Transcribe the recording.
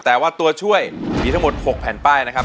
แต่ว่าตัวช่วยมีทั้งหมด๖แผ่นป้ายนะครับ